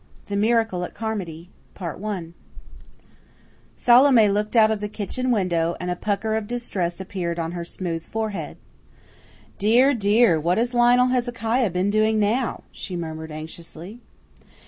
The Miracle at Carmody Salome looked out of the kitchen window, and a pucker of distress appeared on her smooth forehead. "Dear, dear, what has Lionel Hezekiah been doing now?" she murmured anxiously.